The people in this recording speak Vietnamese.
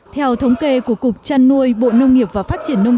theo thống kê của cục trăn nuôi bộ nông nghiệp và phát triển nông